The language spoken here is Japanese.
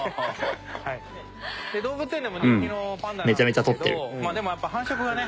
動物園でも人気のパンダなんですけどでもやっぱ繁殖がね